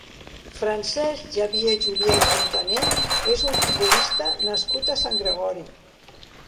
Francesc Xavier Julià i Fontané és un futbolista nascut a Sant Gregori.